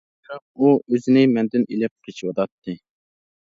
بىراق ئۇ ئۆزىنى مەندىن ئېلىپ قېچىۋاتاتتى.